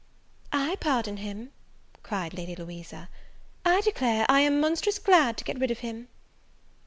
"I pardon him!" cried Lady Louisa; "I declare I am monstrous glad to get rid of him."